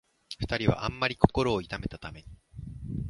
二人はあんまり心を痛めたために、